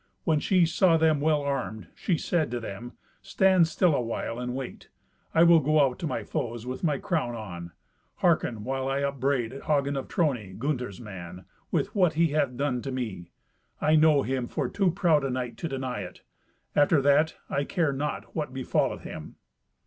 When she saw them well armed, she said to them, "Stand still a while and wait. I will go out to my foes with my crown on. Hearken while I upbraid Hagen of Trony, Gunther's man, with what he hath done to me. I know him for too proud a knight to deny it. After that, I care not what befalleth him."